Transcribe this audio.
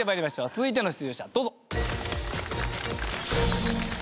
続いての出場者どうぞ。